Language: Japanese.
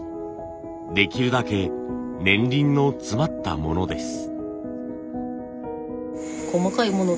できるだけ年輪の詰まったものです。